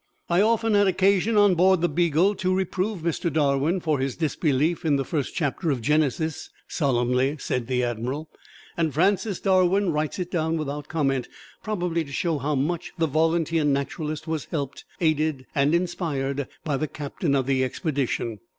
"I often had occasion on board the 'Beagle' to reprove Mr. Darwin for his disbelief in the First Chapter of Genesis," solemnly said the Admiral. And Francis Darwin writes it down without comment, probably to show how much the Volunteer Naturalist was helped, aided and inspired by the Captain of the Expedition.